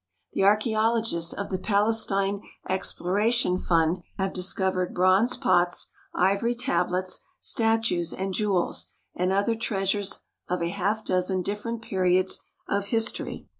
The archaeologists of the Palestine Exploration Fund have discovered bronze pots, ivory tablets, statues, and jewels and other treasures of a half dozen different pe riods of history.